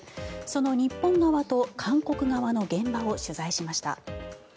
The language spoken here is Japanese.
その日本側の韓国側の現場を取材しました。